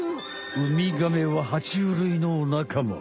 ウミガメはは虫類のなかま。